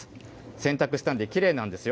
洗濯したのできれいなんですよ。